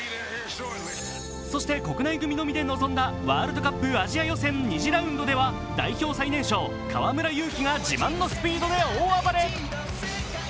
そして国内組のみで臨んだワールドカップ２次予選では代表最年少、河村勇輝が自慢のスピードで大暴れ。